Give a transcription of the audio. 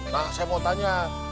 nah saya mau tanya